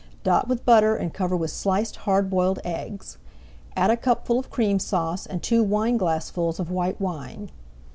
Dot with butter and cover with sliced hard boiled eggs. Add a cupful of Cream Sauce, and two wineglassfuls of white wine.